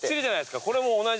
これも同じです。